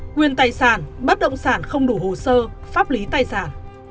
quyền tài sản bất động sản không đủ hồ sơ pháp lý tài sản